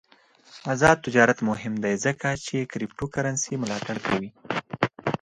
آزاد تجارت مهم دی ځکه چې کریپټو کرنسي ملاتړ کوي.